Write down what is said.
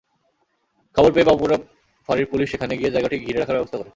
খবর পেয়ে বাবুপুরা ফাঁড়ির পুলিশ সেখানে গিয়ে জায়গাটি ঘিরে রাখার ব্যবস্থা করে।